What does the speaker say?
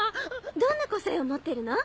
どんな個性を持ってるの？